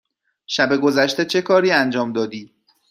شب گذشته چه کاری انجام دادی؟